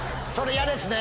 嫌ですね。